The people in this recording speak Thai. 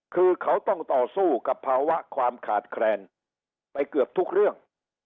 คือเขาต้องต่อสู้กับภาวะความขาดแคลนไปเกือบทุกเรื่อง